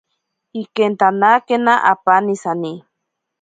Ikentanakena apaani sani.